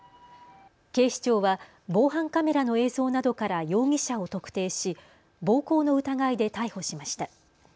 警視庁は防犯カメラの映像などから容疑者を特定し暴行の疑いで逮捕しました。